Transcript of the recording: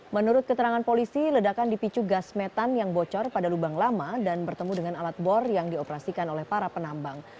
menurut keterangan polisi ledakan dipicu gas metan yang bocor pada lubang lama dan bertemu dengan alat bor yang dioperasikan oleh para penambang